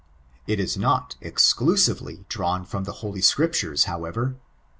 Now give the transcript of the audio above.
It ia not, excloaiTely, drawn fiom the Ho|y 8<niptarea, however.